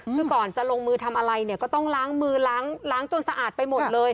คือก่อนจะลงมือทำอะไรเนี่ยก็ต้องล้างมือล้างจนสะอาดไปหมดเลย